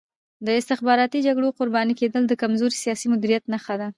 د استخباراتي جګړو قرباني کېدل د کمزوري سیاسي مدیریت نښه ده.